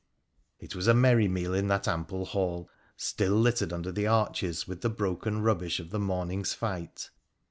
It was a merry meal in that ample hall, still littered under the arches with the broken rubbish of the morning's fight.